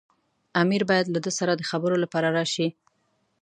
امیر باید له ده سره د خبرو لپاره راشي.